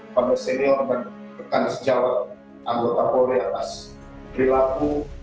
pada senior dan bertanggung jawab anggota polri atas perilaku